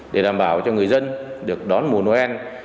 để đảm bảo cho người dân được đón mùa noel